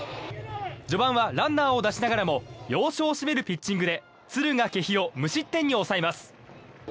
序盤はランナーを出しながらも要所を締めるピッチングで敦賀気比を無失点に抑えます。